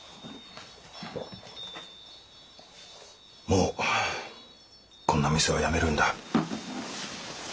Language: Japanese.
もうこんな店は辞めるんだ。